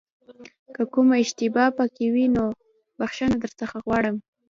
که کومه اشتباه پکې وي نو بښنه درڅخه غواړم.